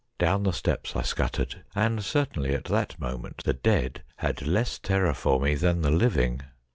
Down the steps I scuttered, and certainly at that moment the dead had less terror for me than the living.